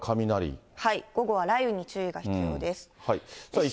午後は雷雨に注意が必要です。